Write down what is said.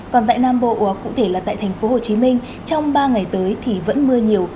còn tại nam bộ cụ thể là tại thành phố hồ chí minh trong ba ngày tới thì vẫn mưa nhiều